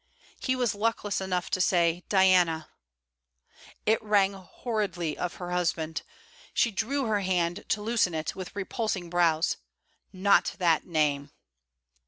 He was luckless enough to say: 'Diana!' It rang horridly of her husband. She drew her hand to loosen it, with repulsing brows. 'Not that name!'